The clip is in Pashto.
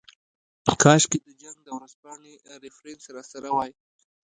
کاشکې د جنګ د ورځپاڼې ریفرنس راسره وای.